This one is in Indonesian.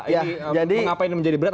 mengapa ini menjadi berat